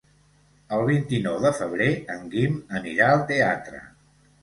El vint-i-nou de febrer en Guim anirà al teatre.